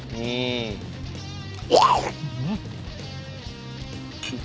เนี่ย